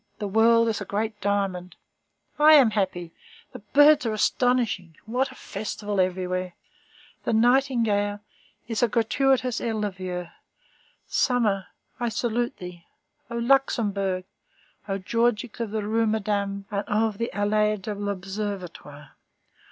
The world is a great diamond. I am happy. The birds are astonishing. What a festival everywhere! The nightingale is a gratuitous Elleviou. Summer, I salute thee! O Luxembourg! O Georgics of the Rue Madame, and of the Allée de l'Observatoire!